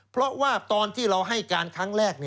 เพราะว่าตอนที่เราให้การครั้งแรก